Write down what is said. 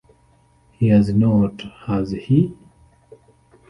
He has not, has he?